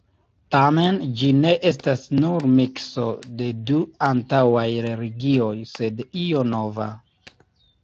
Tamen, ĝi ne estas nur mikso de du antaŭaj religioj, sed io nova.